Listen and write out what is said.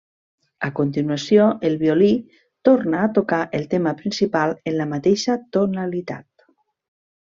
A continuació, el violí torna a tocar el tema principal, en la mateixa tonalitat.